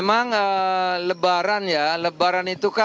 banyak barang yang seperti itu pak